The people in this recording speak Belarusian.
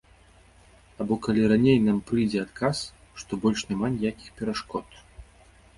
Або калі раней нам прыйдзе адказ, што больш няма ніякіх перашкод.